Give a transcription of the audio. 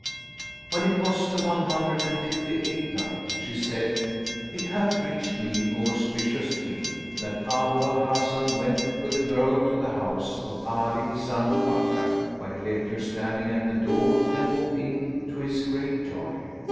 When it was the One Hundred and Fifty eighth Night, She said, It hath reached me, O auspicious King, that Abu al Hasan went with the girl to the house of Ali son of Bakkar, where he left her standing at the door and walked in to his great joy.